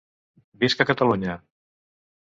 Visca Catalunya